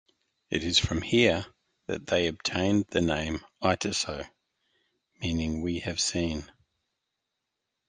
It is from here that they obtained the name Iteso, meaning we have seen.